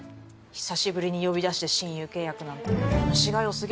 久しぶりに呼び出して親友契約なんて虫が良過ぎるよ。